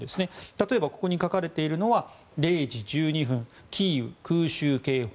例えば、ここに書かれているのは０時１２分、キーウ、空襲警報。